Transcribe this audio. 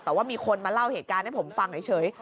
แต่ว่ามีคนมาเล่าเหตุการณ์ให้ผมฟังเฉย